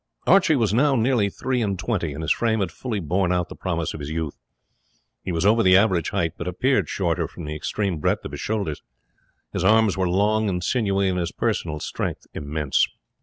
Archie was now nearly three and twenty, and his frame had fully borne out the promise of his youth. He was over the average height, but appeared shorter from the extreme breadth of his shoulders; his arms were long and sinewy, and his personal strength immense.